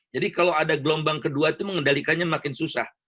jadi kalau ada gelombang kedua itu mengendalikannya makin susah